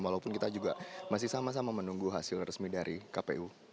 walaupun kita juga masih sama sama menunggu hasil resmi dari kpu